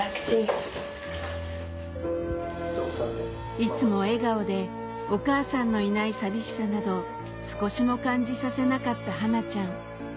いつも笑顔でお母さんのいない寂しさなど少しも感じさせなかったはなちゃん